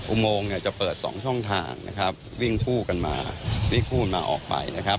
อุโมงเนี่ยจะเปิดสองช่องทางนะครับวิ่งคู่กันมาวิ่งคู่กันมาออกไปนะครับ